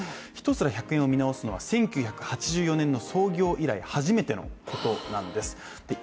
１皿１００円を見直すのは１９８４年の創業以来初めてのことなんだそうです。